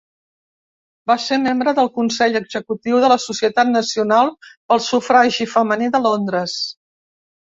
Va ser membre del consell executiu de la Societat Nacional pel Sufragi Femení de Londres.